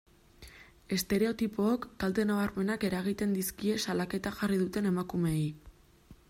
Estereotipook kalte nabarmenak eragiten dizkie salaketa jarri duten emakumeei.